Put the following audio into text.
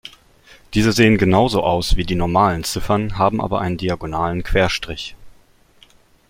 Diese sehen genauso aus wie die normalen Ziffern, haben aber einen diagonalen Querstrich.